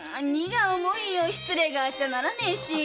失礼があっちゃならねえし。